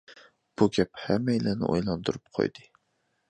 — بۇ گەپ ھەممەيلەننى ئويلاندۇرۇپ قويدى.